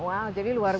wah jadi luar biasa